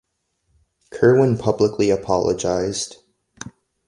Kerwin publicly apologized.